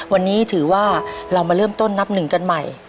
วันนี้ถือว่าเรามาเริ่มต้นนับหนึ่งกันใหม่